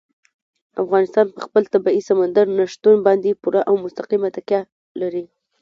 افغانستان په خپل طبیعي سمندر نه شتون باندې پوره او مستقیمه تکیه لري.